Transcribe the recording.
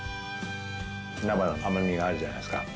菜花の甘みがあるじゃないですか。